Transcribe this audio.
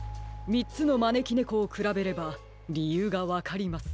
みっつのまねきねこをくらべればりゆうがわかります。